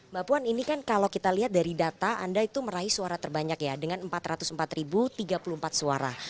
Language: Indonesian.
mbak puan ini kan kalau kita lihat dari data anda itu meraih suara terbanyak ya dengan empat ratus empat tiga puluh empat suara